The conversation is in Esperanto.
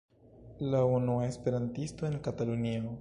La unua Esperantisto en Katalunio.